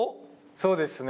そうですね。